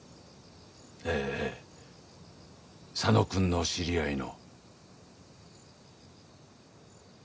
えぇえぇ佐野くんの知り合いの。